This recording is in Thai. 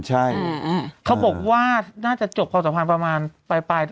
หมายถึงเจอคู่นี้